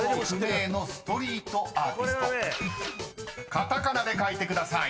［カタカナで書いてください］